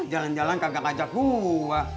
jalan jalan kagak ngajak bung